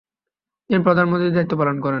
তিনি প্রধানমন্ত্রীর দায়িত্ব পালন করেন।